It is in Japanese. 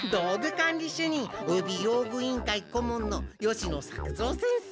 かん理しゅにんおよび用具委員会こもんの吉野作造先生。